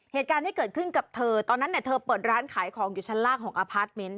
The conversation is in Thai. เหตุการณ์ที่เกิดขึ้นกับเธอตอนนั้นเนี่ยเธอเปิดร้านขายของอยู่ชั้นล่างของอพาร์ทเมนต์